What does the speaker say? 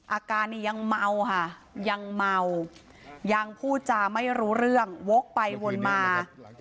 อาการนี้ยังเมาค่ะยังเมายังพูดจาไม่รู้เรื่องวกไปวนมา